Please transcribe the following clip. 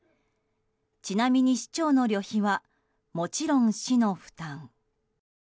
ちなみに市長の旅費はもちろん市の負担。